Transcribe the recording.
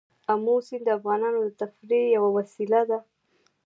آمو سیند د افغانانو د تفریح یوه وسیله ده.